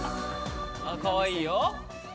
かわいいよ。